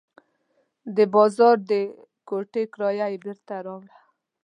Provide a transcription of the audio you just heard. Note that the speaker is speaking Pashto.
د بازار د کوټې کرایه یې بېرته راوړه.